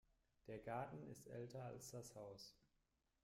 Der Garten ist älter als das Haus.